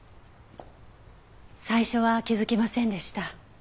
最初は気づきませんでした。